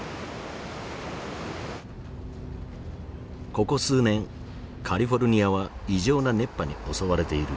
ここ数年カリフォルニアは異常な熱波に襲われている。